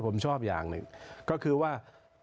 ผมชอบอย่างหนึ่งก็คือว่า